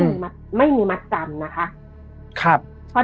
คือเรื่องนี้มันเกิดมาประสบการณ์ของรุ่นนี้มัน